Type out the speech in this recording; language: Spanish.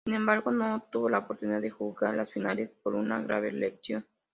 Sin embargo, no tuvo la oportunidad de jugar las finales por una grave lesión.